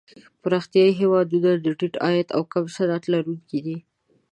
پرمختیايي هېوادونه د ټیټ عاید او کم صنعت لرونکي دي.